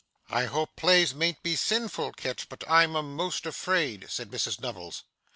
'I hope plays mayn't be sinful, Kit, but I'm a'most afraid,' said Mrs Nubbles.